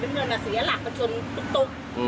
ทั้งเมืองเสียหลักมันชนตุ๊ก